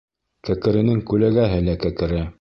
Кәкеренең күләгәһе лә кәкере.